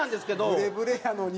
ブレブレやのに？